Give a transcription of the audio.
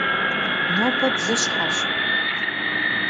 Nobe blışheş.